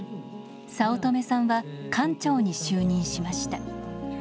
早乙女さんは館長に就任しました。